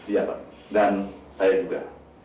iya pak dan saya juga